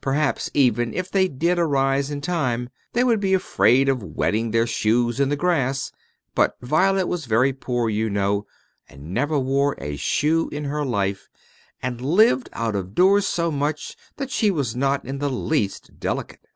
Perhaps, even if they did arise in time, they would be afraid of wetting their shoes in the grass; but Violet was very poor, you know, and never wore a shoe in her life, and lived out of doors so much that she was not in the least delicate.